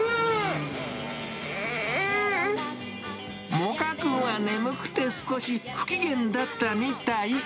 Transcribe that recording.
モカくんは眠くて少し不機嫌だったみたい。